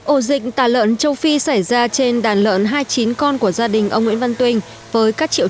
ổ dịch tà lợn châu phi xảy ra trên đàn lợn hai mươi chín con của gia đình ông nguyễn văn tuyên với các triệu